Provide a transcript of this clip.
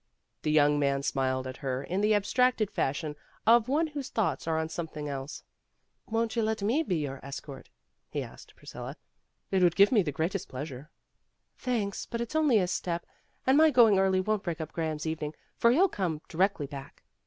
The young man smiled at her in the ab stracted fashion of one whose thoughts are on something else. "Won't you let me be your es cort?" he asked Priscilla. "It would give me the greatest pleasure." "Thanks, but it's only a step, and my going early won't break up Graham's evening, for he'll come directly back."